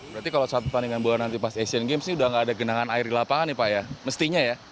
berarti kalau saat pertandingan bola nanti pas asian games ini udah gak ada genangan air di lapangan nih pak ya mestinya ya